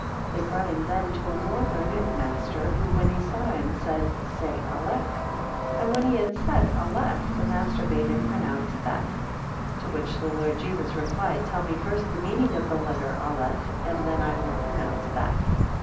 13 They brought him then to a more learned master, who, when he saw him, said, say Aleph; 14 And when he had said Aleph, the master bade him pronounce Beth; to which the Lord Jesus replied, Tell me first the meaning of the letter Aleph, and then I will pronounce Beth.